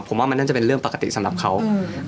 ผมว่ามันน่าจะเป็นเรื่องปกติสำหรับเขา